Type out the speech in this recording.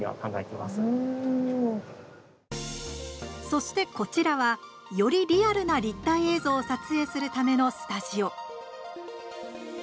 そして、こちらはより、リアルな立体映像を撮影するためのスタジオ。